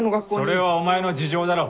それはお前の事情だろう？